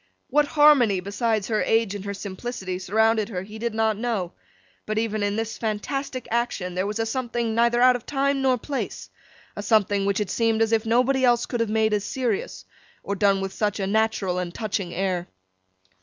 What harmony, besides her age and her simplicity, surrounded her, he did not know, but even in this fantastic action there was a something neither out of time nor place: a something which it seemed as if nobody else could have made as serious, or done with such a natural and touching air.